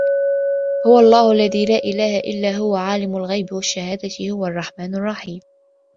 هُوَ اللَّهُ الَّذي لا إِلهَ إِلّا هُوَ عالِمُ الغَيبِ وَالشَّهادَةِ هُوَ الرَّحمنُ الرَّحيمُ